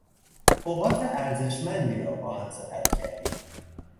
اوقات ارزشمندی را با هم سپری کردیم.